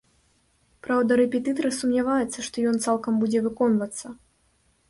Праўда, рэпетытар сумняваецца, што ён цалкам будзе выконвацца.